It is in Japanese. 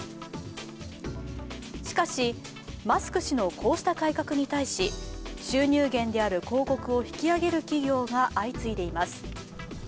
しかし、マスク氏のこうした改革に対し、収入源である広告を引き上げる企業が相次いでいます。